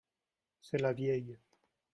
c'est la vieille